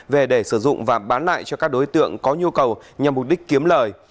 về để sử dụng và bán lại cho các đối tượng có nhu cầu nhằm mục đích kiếm lời